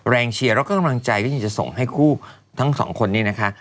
แรงเชียร์ก็ก็กำลังใจที่จะส่งให้คู่ทั้ง๒คนนี้นะคะ